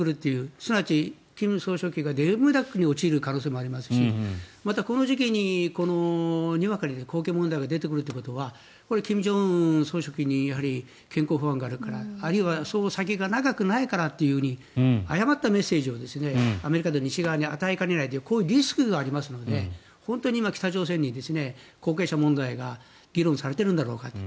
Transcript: すなわち金正恩総書記がレームダックに陥る可能性もありますしこの時期に、にわかに後継問題が出てくるということは金正恩総書記にやはり、健康不安があるからあるいはそう先が長くないからという誤ったメッセージをアメリカと西側に与えかねないというこういうリスクがありますので本当に今、北朝鮮で後継者問題が議論されているんだろうかと。